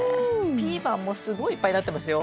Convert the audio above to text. ピーマンもすごいいっぱいなってますよ。